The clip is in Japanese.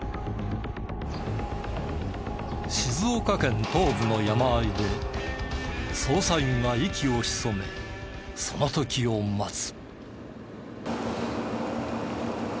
静岡県東部の山あいで捜査員が息を潜めその時を待つ。